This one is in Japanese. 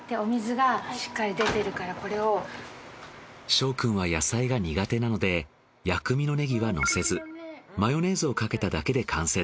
翔くんは野菜が苦手なので薬味のネギはのせずマヨネーズをかけただけで完成です。